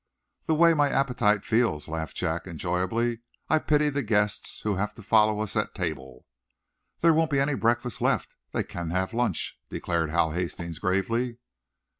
"The way my appetite feels," laughed Jack, enjoyably, "I pity the guests who have to follow us at table." "There won't be any breakfast left. They can have lunch," declared Hal Hastings, gravely.